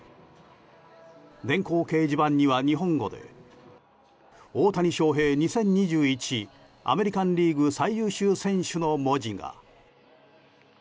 電光掲示板には、日本語で「大谷翔平２０２１アメリカン・リーグ最優秀選手」の文字が。